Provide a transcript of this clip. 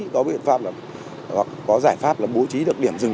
có biện pháp hoặc có giải pháp là bố trí được điểm dừng